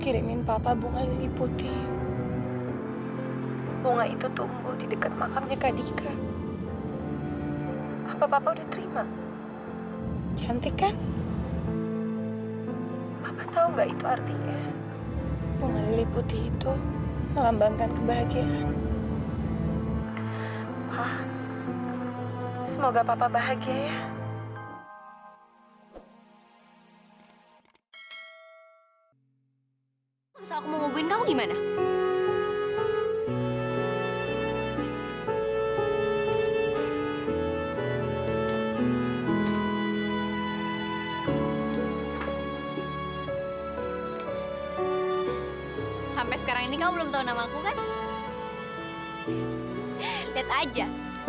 sampai jumpa di video selanjutnya